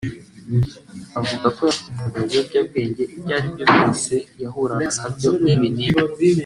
Avuga ko yafatanga ibiyobyabwenge ibyo ari byo byose yahuraga na byo nk’ibinini